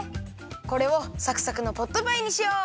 これをサクサクのポットパイにしよう！